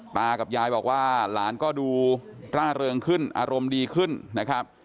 ตากับยายบอกว่าหลานก็ดูร่าเริงขึ้นอารมณ์ดีขึ้นนะครับ